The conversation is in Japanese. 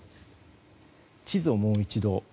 地図をもう一度。